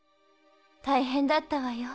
大変だったわよ